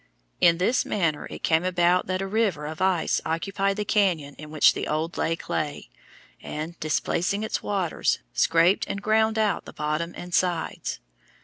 In this manner it came about that a river of ice occupied the cañon in which the old lake lay, and, displacing its waters, scraped and ground out the bottom and sides.